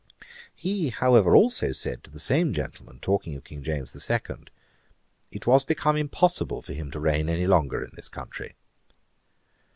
He, however, also said to the same gentleman, talking of King James the Second, 'It was become impossible for him to reign any longer in this country.'